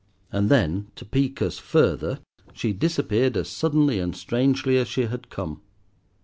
And then, to pique us further, she disappeared as suddenly and strangely as she had come.